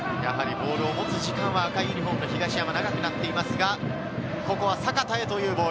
ボールを持つ時間は赤いユニホーム、東山が長くなっていますが、ここは阪田へというボール。